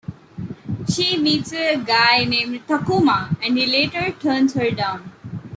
She meets a guy named Takuma, and he later turns her down.